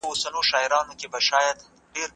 علم د حقيقت د موندلو منظمه تګلاره نه ده؟